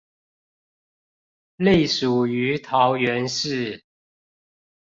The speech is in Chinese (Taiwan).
隸屬於桃園市